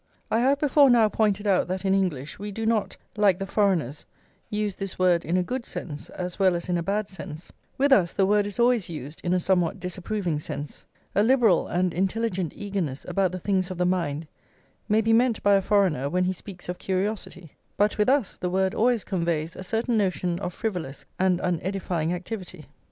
I have before now pointed out that in English we do not, like the foreigners, use this word in a good sense as well as in a bad sense; with us the word is always used in a somewhat disapproving sense; a liberal and intelligent eagerness about the things of the mind may be meant by a foreigner when he speaks of curiosity, but with us the word always conveys a certain notion of frivolous and unedifying activity.